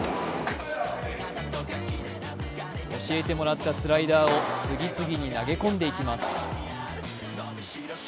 教えてもらったスライダーを次々に投げ込んでいきます。